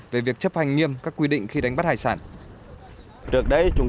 về việc chấp hành nghiêm các quy định khi đánh bắt hải sản